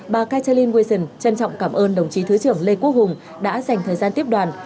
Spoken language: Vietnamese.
bà caterlin wison trân trọng cảm ơn đồng chí thứ trưởng lê quốc hùng đã dành thời gian tiếp đoàn